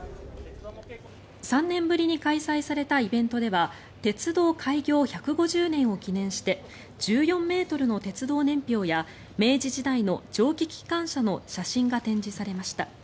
３年ぶりに開催されたイベントでは鉄道開業１５０年を記念して１４ｍの鉄道年表や明治時代の蒸気機関車の写真が展示されました。